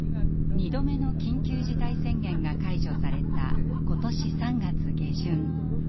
２度目の緊急事態宣言が解除された今年３月下旬。